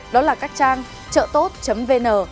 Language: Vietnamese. đó là các trang trợtốt vn